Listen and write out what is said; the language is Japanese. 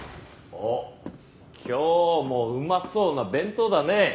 おっ今日もうまそうな弁当だね。